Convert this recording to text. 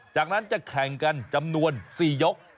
จากนั้นจะแข่งกันจำนวน๔ยก